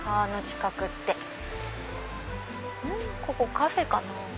ここカフェかな？